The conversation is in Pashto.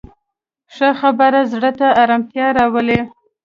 ښه خبره زړه ته ارامتیا راولي